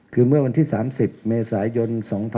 คือเมื่อวันที่๓๐เมษายน๒๕๖๒